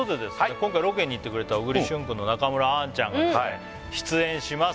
今回ロケに行ってくれた小栗旬くんと中村アンちゃんがですね出演します